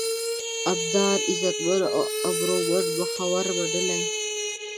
ابدار: عزتمن، ابرومند ، مخور، منلی